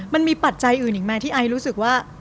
ปัจจัยอื่นอีกไหมที่ไอรู้สึกว่า